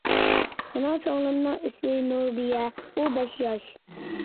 مېنىڭ سىڭلىمنىڭ ئىسمى نۇربىيە، ئۇ بەش ياش.